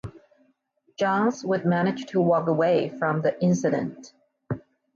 Johns would manage to walk away from the incident.